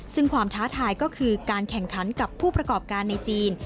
ซึ่งความท้าทายก็คือการแข่งขันกับผู้ประกอบการในจีน